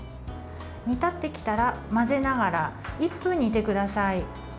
煮立ってきたら混ぜながら１分煮てください。